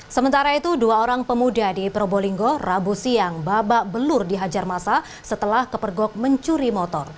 sementara itu dua orang pemuda di probolinggo rabu siang babak belur dihajar masa setelah kepergok mencuri motor